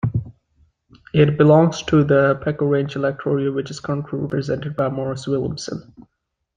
It belongs to the Pakuranga electorate which is currently represented by Maurice Williamson.